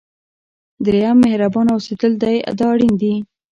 دریم مهربانه اوسېدل دی دا اړین دي.